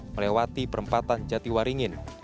melewati perempatan jatiwaringin